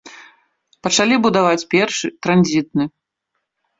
Пачалі будаваць першы, транзітны.